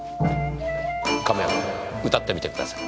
亀山君歌ってみてください。